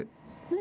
何？